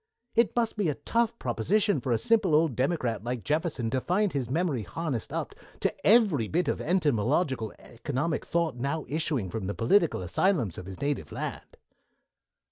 It must be a tough proposition for a simple old Democrat like Jefferson to find his memory harnessed up to every bit of entomological economic thought now issuing from the political asylums of his native land."